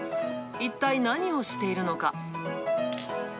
一体何をしているのか。